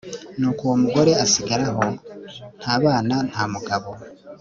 nuko uwo mugore asigara aho, nta bana nta mugabo